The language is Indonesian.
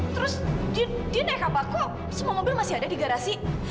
terus dia naik apa kok semua mobil masih ada di garasi